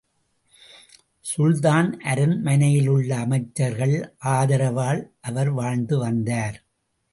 சுல்தான் அரண்மனையிலுள்ள அமைச்சர்கள் ஆதரவால் அவர் வாழ்ந்து வந்தார்.